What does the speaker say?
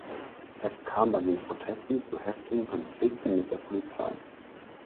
Es kam bei den Protesten zu heftigen Konflikten mit der Polizei.